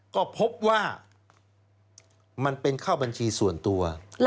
ก็พบว่ามันเป็นเข้าบัญชีส่วนตัว